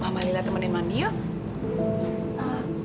mama lila temenin mandi yuk